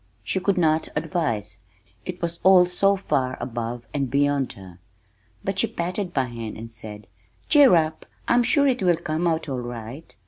She could not advise, it was all so far above and beyond her, but she patted my hand and said, "Cheer up! I'm sure it will come out all right.